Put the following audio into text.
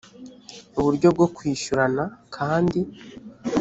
uburyo bwo kwishyurana kandi